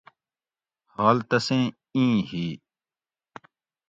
حال تسیں ای ھی